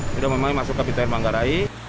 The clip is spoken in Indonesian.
sudah memasuki kapitain menggerai